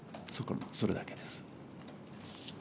それだけです。